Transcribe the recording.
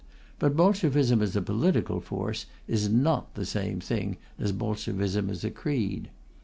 But Bolshevism as a political force is not the same thing as Bolshevism as a creed.